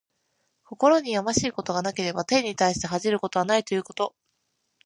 心にやましいことがなければ、天に対して恥じることはないということ。